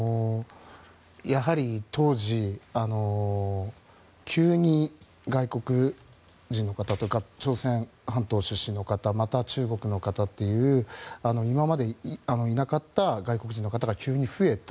当時、急に外国人の方や朝鮮半島出身の方また、中国の方という今までにいなかった外国人の方が急に増えた。